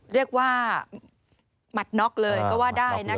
เรียกว่าหมัดน็อกเลยก็ว่าได้นะคะ